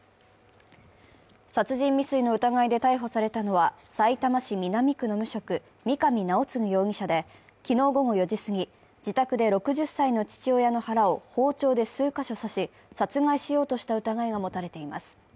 殺人未遂の疑いで逮捕されたのはさいたま市南区の無職、三上尚貢容疑者で昨日午後４時すぎ、自宅で６０歳の父親の腹を包丁で数か所刺し、殺害しようとした疑いが持たれています。